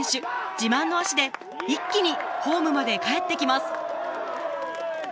自慢の足で一気にホームまで帰ってきます